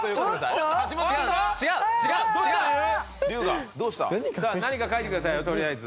橋本君が？さあ何か書いてくださいよとりあえず。